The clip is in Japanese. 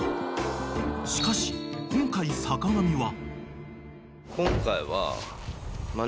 ［しかし今回坂上は］